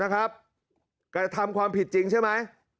กระทำความผิดจริงใช่ไหม